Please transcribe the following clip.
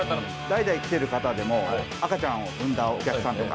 代々来てる方でも赤ちゃんを産んだお客さんとか。